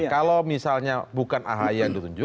kalau misalnya bukan ahy yang ditunjuk